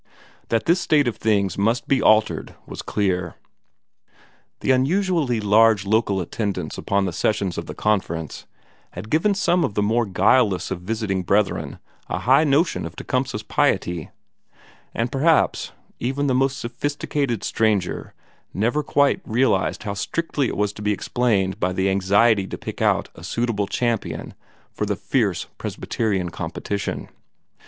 That this state of things must be altered was clear. The unusually large local attendance upon the sessions of the Conference had given some of the more guileless of visiting brethren a high notion of Tecumseh's piety; and perhaps even the most sophisticated stranger never quite realized how strictly it was to be explained by the anxiety to pick out a suitable champion for the fierce Presbyterian competition.